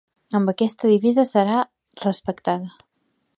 Amb aquesta divisa serà respectada.